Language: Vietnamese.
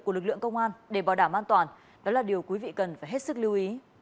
của lực lượng công an để bảo đảm an toàn đó là điều quý vị cần phải hết sức lưu ý